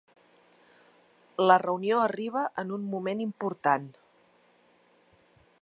La reunió arriba en un moment important.